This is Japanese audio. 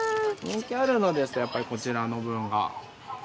人気あるのですとやっぱりこちらの。